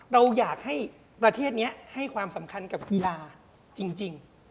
เราอยากให้ประเทศนี้ให้ความสำคัญกับกีฬาจริง